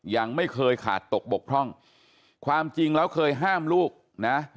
ยังไม่เคยขาดตกบกพร่องความจริงแล้วเคยห้ามลูกนะ